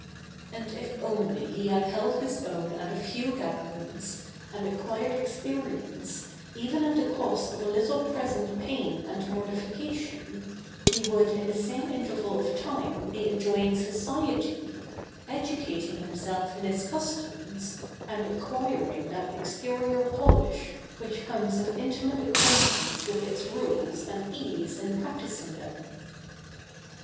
[Sidenote: "If he had only held his own!"] And if only he had held his own at a few gatherings, and acquired experience, even at the cost of a little present pain and mortification, he would in the same interval of time be enjoying society, educating himself in its customs, and acquiring that exterior polish which comes of intimate acquaintance with its rules and ease in practising them.